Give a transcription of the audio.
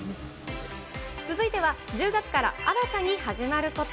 続いては、１０月から新たに始まること。